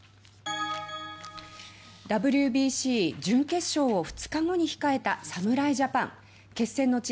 ＷＢＣ準決勝を２日後に控えた侍ジャパン決戦の地